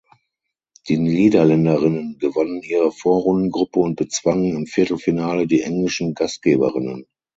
Die Niederländerinnen gewannen ihre Vorrundengruppe und bezwangen im Viertelfinale die englischen Gastgeberinnen.